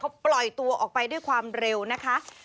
เขาปล่อยตัวออกไปด้วยความเร็วนะคะ